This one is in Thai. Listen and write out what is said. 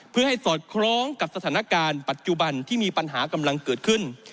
เพื่อให้สอดคล้องกับสถานการณ์ปัจจุบันที่มีปัญหากำลังเกิดขึ้น